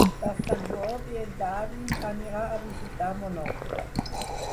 Per Sant Jordi en David anirà a visitar mon oncle.